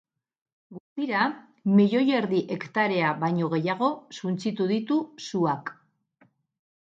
Guztira, milioi erdi hektarea baino gehiago suntsitu ditu suak.